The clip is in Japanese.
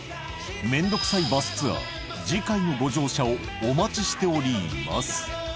めんどくさいバスツアー次回のご乗車をお待ちしております